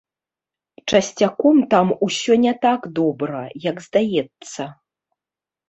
Часцяком там усё не так добра, як здаецца.